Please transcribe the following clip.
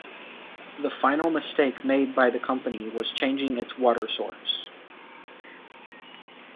The final mistake made by the company was changing its water source.